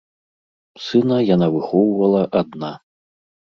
Сына яна выхоўвала адна.